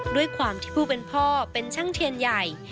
ด้วยความที่ผู้เป็นพ่อเป็นช่างเทียนใหญ่